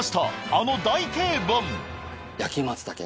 あの大定番うわ